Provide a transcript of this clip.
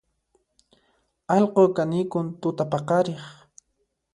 Allqu kanikun tutapaqariq